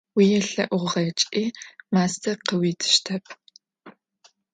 УелъэӀугъэкӀи мастэ къыуитыщтэп.